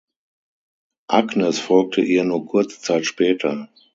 Agnes folgte ihr nur kurze Zeit später.